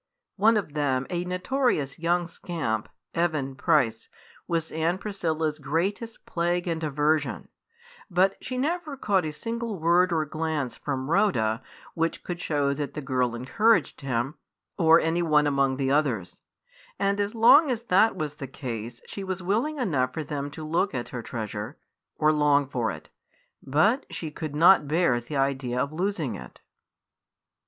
One of them, a notorious young scamp, Evan Price, was Aunt Priscilla's greatest plague and aversion; but she never caught a single word or glance from Rhoda which could show that the girl encouraged him, or any one among the others; and as long as that was the case she was willing enough for them to look at her treasure, or long for it, but she could not bear the idea of losing it.